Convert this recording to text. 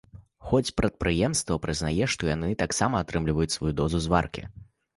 Хоць прадпрыемства прызнае, што яны таксама атрымліваюць сваю дозу зваркі.